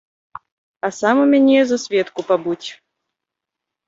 А сам у мяне за сведку пабудзь.